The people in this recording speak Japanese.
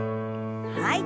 はい。